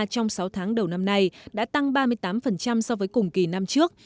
trong sáu tháng đầu năm nay đã tăng ba mươi tám so với cùng kỳ năm trước